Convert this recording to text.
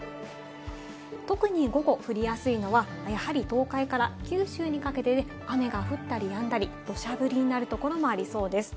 特に午後降りやすいのはやはり東海から九州にかけて雨が降ったりやんだり、土砂降りになるところもありそうです。